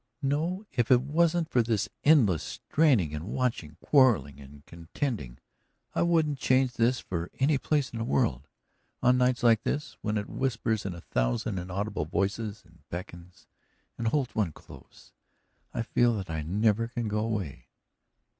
"No. If it wasn't for this endless straining and watching, quarreling and contending, I wouldn't change this for any place in the world. On nights like this, when it whispers in a thousand inaudible voices, and beckons and holds one close, I feel that I never can go away.